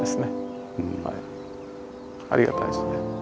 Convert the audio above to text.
ありがたいですね。